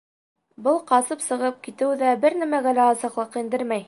Был ҡасып сығып китеү ҙә бер нәмәгә лә асыҡлыҡ индермәй.